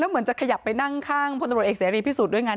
แล้วเหมือนจะขยับไปนั่งข้างพลตรวจเอกเสียรีพิสูจน์ด้วยงั้น